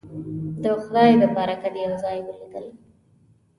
د خدای د پاره که دې یو ځای ولیدل